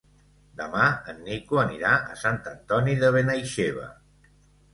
Demà en Nico anirà a Sant Antoni de Benaixeve.